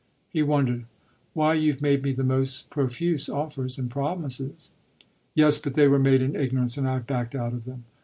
He wondered. "Why you've made me the most profuse offers and promises." "Yes, but they were made in ignorance and I've backed out of them.